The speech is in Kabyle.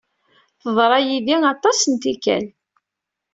Teḍra yidi aṭas n tikkal.